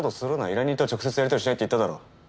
依頼人とは直接やりとりしないって言っただろ。